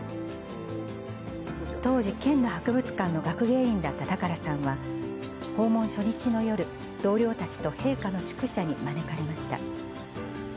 当時、県の博物館の学芸員だった高良さんは、訪問初日の夜、同僚たちと陛下の宿舎に招かれました。